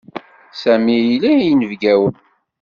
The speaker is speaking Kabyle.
Sami ila inebgiwen.